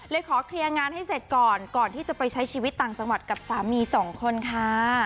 ขอเคลียร์งานให้เสร็จก่อนก่อนที่จะไปใช้ชีวิตต่างจังหวัดกับสามีสองคนค่ะ